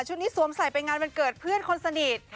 นี้สวมใส่ไปงานวันเกิดเพื่อนคนสนิท